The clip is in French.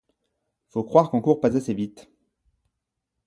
Faut croire qu’on court pas assez vite.